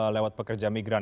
lewat pekerja migran